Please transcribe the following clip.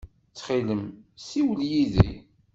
Ttxil-m, ssiwel yid-i.